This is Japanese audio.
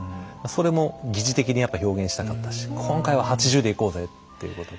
それも疑似的にやっぱ表現したかったし「今回は８０でいこうぜ」っていうことで。